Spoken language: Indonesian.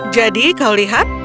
jadi kau lihat